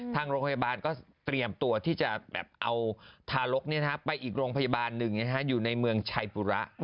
ทางโรงพยาบาลก็เตรียมตัวที่จะเอาทารกไปอีกโรงพยาบาลหนึ่งอยู่ในเมืองชัยปุระ